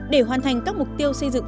để hoàn thành các mục tiêu xây dựng